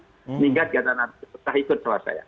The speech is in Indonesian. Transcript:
sehingga tidak ikut puasa ya